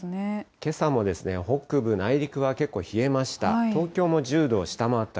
けさも北部内陸は結構冷えました。